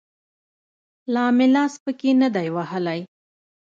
لا مې لاس پکښې نه دى وهلى.